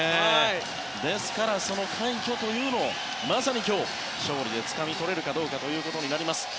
ですからその快挙というのをまさに今日、勝利でつかみ取れるかどうかとなります。